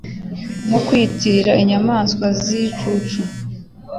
nko kwiyitirira inyamaswa zicucu